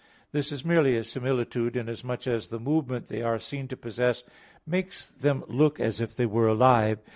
This is merely a similitude, inasmuch as the movement they are seen to possess makes them look as if they were alive.